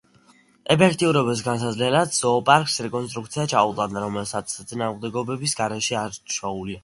ეფექტურობის გასაზრდელად ზოოპარკს რეკონსტრუქცია ჩაუტარდა, რომელსაც წინააღმდეგობების გარეშე არ ჩაუვლია.